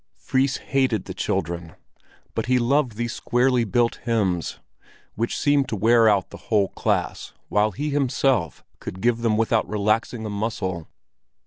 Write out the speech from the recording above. Fris hated the children. But he loved these squarely built hymns, which seemed to wear out the whole class, while he himself could give them without relaxing a muscle.